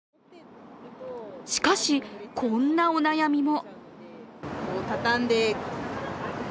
しかし、こんなお悩みも。